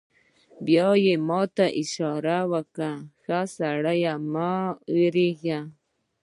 بیا یې ما ته اشاره وکړه: ښه سړی، مه وېرېږه.